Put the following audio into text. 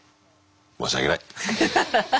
申し訳ない。